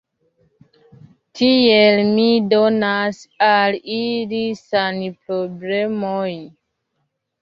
Tiel mi donas al ili sanproblemojn.